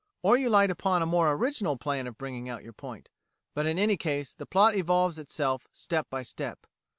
Or you light upon a more original plan of bringing out your point; but in any case, the plot evolves itself step by step.